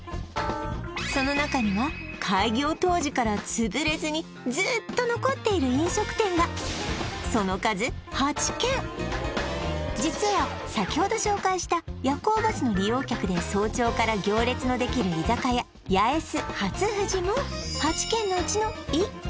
その中には開業当時からつぶれずにずっと残っている飲食店がその数実は先ほど紹介した夜行バスの利用客で早朝から行列のできる居酒屋やえす